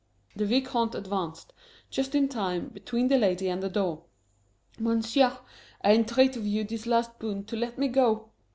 The Vicomte advanced, just in time, between the lady and the door. "Monsieur, I entreat of you this last boon, to let me go.